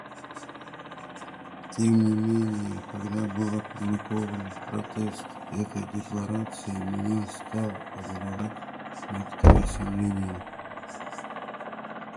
Тем не менее, когда был опубликован проект этой декларации, меня стали одолевать некоторые сомнения.